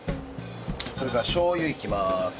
それからしょう油いきます。